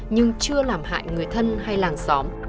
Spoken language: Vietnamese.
nhưng chưa làm hại người thân hay làng xóm